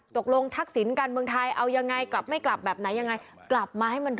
ตกลงทักศิลป์กันเมืองไทยเอายังไงกลับไม่กลับแบบไหนยังไง